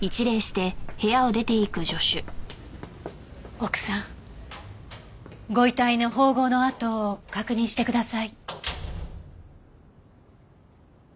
奥さんご遺体の縫合の痕を確認してください。